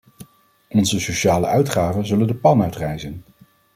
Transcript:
Onze sociale uitgaven zullen de pan uit rijzen!